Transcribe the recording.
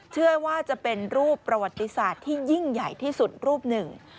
เชื่อว่าจะเป็นรูปประวัติศาสตร์ที่ยิ่งใหญ่ที่สุดรูปหนึ่ง